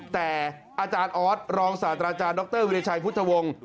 แต่อาจารย์ออสรองศาสตราจารย์ดรวิริชัยพุทธวงศ์